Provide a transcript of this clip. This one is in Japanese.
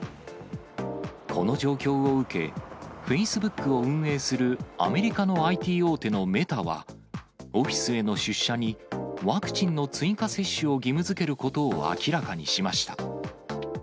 この状況を受け、フェイスブックを運営するアメリカのＩＴ大手のメタは、オフィスへの出社に、ワクチンの追加接種を義務づけることを明らかにしました。